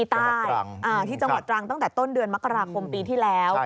ใต้ที่จังหวัดตรังตั้งแต่ต้นเดือนมกราคมปีที่แล้ว